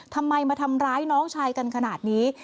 ทำไมมาทำร้ายน้องชายกันขนาดนี้